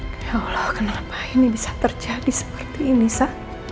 ya allah kenapa ini bisa terjadi seperti ini sa